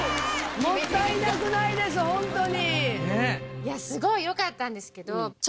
いやすごいよかったんですけどちょっと。